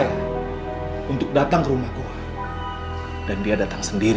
itu gak bener